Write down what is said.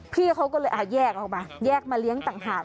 พี่เขาก็เลยแยกออกมาแยกมาเลี้ยงต่างหาก